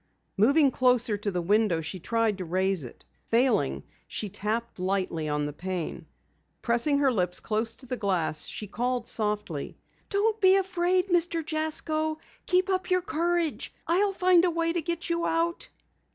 Moving closer to the window she tried to raise it. Failing, she tapped lightly on the pane. Pressing her lips close to the glass she called softly: "Don't be afraid, Mr. Jasko! Keep up your courage! I'll find a way to get you out!"